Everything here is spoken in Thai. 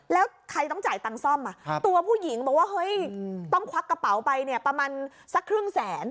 แล้วใครต้องจ่ายตังค์ซ่อมตัวผู้หญิงบอกว่าเฮ้ยต้องควักกระเป๋าไปเนี่ยประมาณสักครึ่งแสน